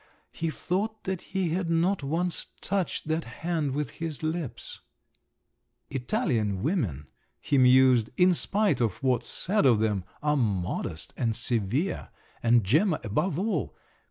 He thought that he had not once touched that hand with his lips…. "Italian women," he mused, "in spite of what's said of them, are modest and severe…. And Gemma above all!